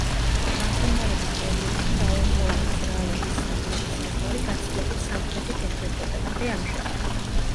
გამყინვარების პერიოდში მრავალწლოვანი მზრალობის სამხრეთი საზღვარი გაცილებით სამხრეთით ეშვებოდა, ვიდრე ამჟამად.